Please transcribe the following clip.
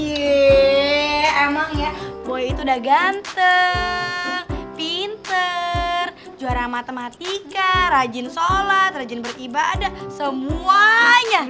yeay emang ya buaya itu udah ganteng pinter juara matematika rajin sholat rajin beribadah semuanya